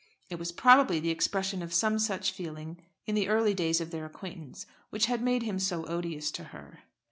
It was probably the expression of some such feelings in the early days of their acquaintance which had made him so odious to her.